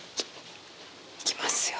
行きますよ